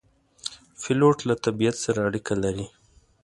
پیلوټ له طبیعت سره اړیکه لري.